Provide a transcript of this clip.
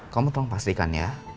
kamu tolong pastikan ya